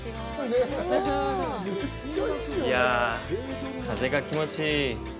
いや、風が気持ちいい。